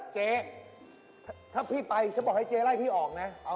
เจ๊ถ้าพี่ไปฉันบอกให้เจ๊ไล่พี่ออกนะ